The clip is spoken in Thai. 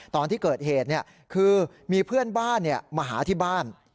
ตอนที่เกิดเหตุคือมีเพื่อนบ้านมาหาที่บ้าน